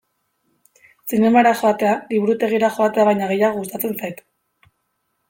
Zinemara joatea liburutegira joatea baino gehiago gustatzen zait.